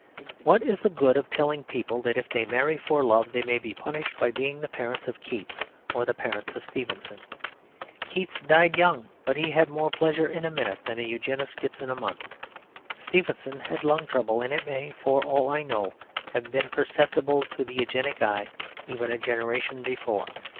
What is the good of telling people that if they marry for love, they may be punished by being the parents of Keats or the parents of Stevenson? Keats died young; but he had more pleasure in a minute than a Eugenist gets in a month. Stevenson had lung trouble; and it may, for all I know, have been perceptible to the Eugenic eye even a generation before.